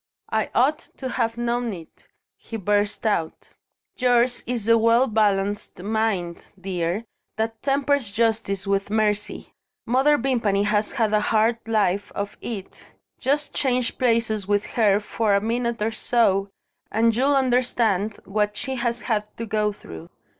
"I ought to have known it!" he burst out. "Yours is the well balanced mind, dear, that tempers justice with mercy. Mother Vimpany has had a hard life of it. Just change places with her for a minute or so and you'll understand what she has had to go through.